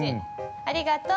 ありがとう。